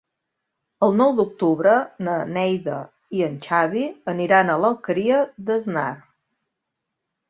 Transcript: El nou d'octubre na Neida i en Xavi aniran a l'Alqueria d'Asnar.